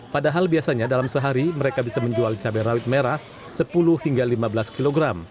padahal biasanya dalam sehari mereka bisa menjual cabai rawit merah sepuluh hingga lima belas kg